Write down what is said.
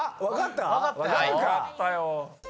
分かったよ。